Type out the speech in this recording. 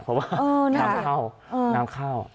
เค้าน้ำเข้าน้ำเข้า